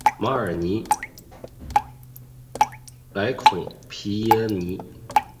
马尔尼莱孔皮耶尼。